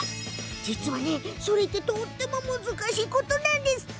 実は、それってとても難しいことなんですって。